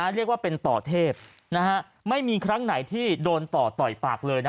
เรียกว่าเป็นต่อเทพไม่มีครั้งไหนที่โดนต่อต่อยปากเลยนะ